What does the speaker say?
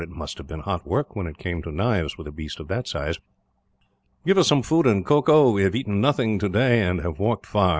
It must have been hot work, when it came to knives, with a beast of that size." "Give us some food, and cocoa; we have eaten nothing today, and have walked far.